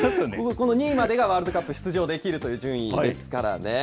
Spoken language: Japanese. この２位までがワールドカップ出場できるという順位ですからね。